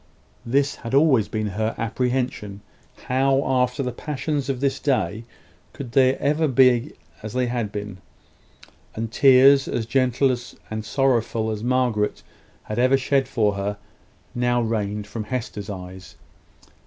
This had always been her apprehension. How, after the passions of this day, could they ever again be as they had been? And tears, as gentle and sorrowful as Margaret had ever shed for her, now rained from Hester's eyes.